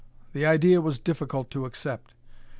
The idea was difficult to accept.